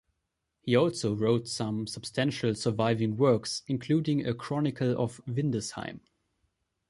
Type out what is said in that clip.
He also wrote some substantial surviving works, including a chronicle of Windesheim.